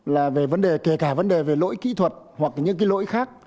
là về vấn đề kể cả vấn đề về lỗi kỹ thuật hoặc những cái lỗi khác